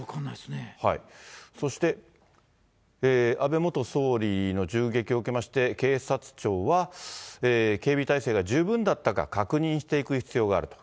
そして、安倍元総理の銃撃を受けまして、警察庁は、警備体制が十分だったか確認していく必要があると。